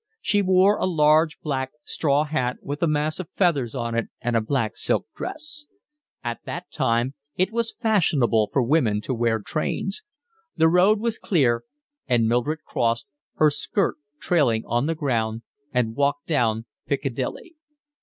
She wore a large black straw hat with a mass of feathers on it and a black silk dress; at that time it was fashionable for women to wear trains; the road was clear, and Mildred crossed, her skirt trailing on the ground, and walked down Piccadilly.